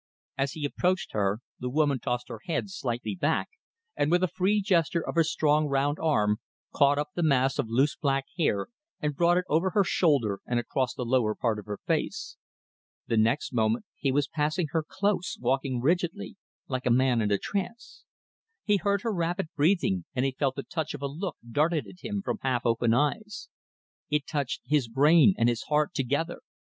As he approached her the woman tossed her head slightly back, and with a free gesture of her strong, round arm, caught up the mass of loose black hair and brought it over her shoulder and across the lower part of her face. The next moment he was passing her close, walking rigidly, like a man in a trance. He heard her rapid breathing and he felt the touch of a look darted at him from half open eyes. It touched his brain and his heart together.